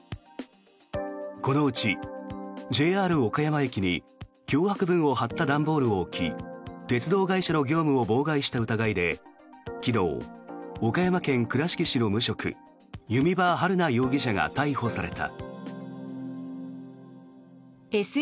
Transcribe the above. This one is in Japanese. このうちＪＲ岡山駅に脅迫文を貼った段ボールを置き鉄道会社の業務を妨害した疑いで昨日、岡山県倉敷市の無職弓場晴菜容疑者が逮捕された。